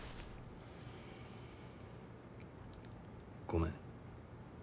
ごめん。